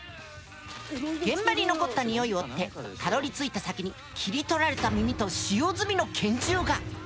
現場に残った匂いを追ってたどりついた先に切り取られた耳と使用済みの拳銃が！